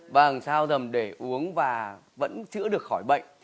và làm sao dầm để uống và vẫn chữa được khỏi bệnh